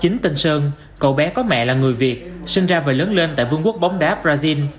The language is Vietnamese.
chính tân sơn cậu bé có mẹ là người việt sinh ra và lớn lên tại vương quốc bóng đá brazil